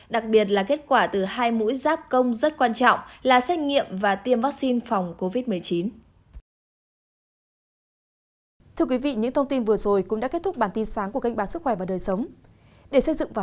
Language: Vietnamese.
đặc biệt là kết quả từ hai mũi giáp công rất quan trọng là xét nghiệm và tiêm vaccine phòng covid một mươi chín